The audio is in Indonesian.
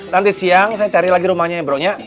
nanti siang saya cari lagi rumahnya bro nya